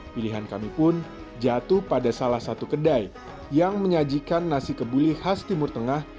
pilihan kami pun jatuh pada salah satu kedai yang menyajikan nasi kebuli khas timur tengah